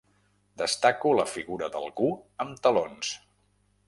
Destaco la figura d'algú amb talons.